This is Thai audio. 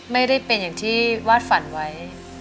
ไม่ได้เป็นอย่างที่วาดฝันไว้